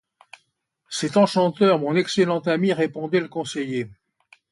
C’est enchanteur, mon excellent ami, répondait le conseiller.